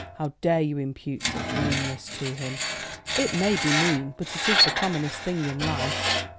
"How dare you impute such meanness to him?" "It may be mean, but it is the commonest thing in life."